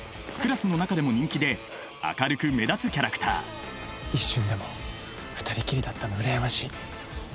クラスの中でも人気で明るく目立つキャラクター一瞬でも２人きりだったの羨ましい。